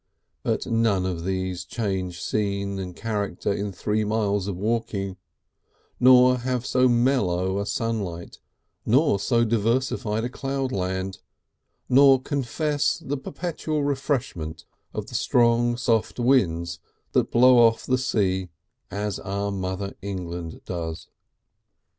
But none of these change scene and character in three miles of walking, nor have so mellow a sunlight nor so diversified a cloudland, nor confess the perpetual refreshment of the strong soft winds that blow from off the sea as our Mother England does.